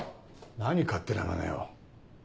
何勝手なまねを。